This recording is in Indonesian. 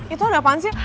itu ada apaan sih